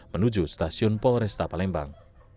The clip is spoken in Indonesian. menuju stasiun polresta palembang